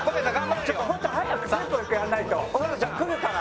ちょっともっと早くテンポ良くやらないとソルジャー来るから！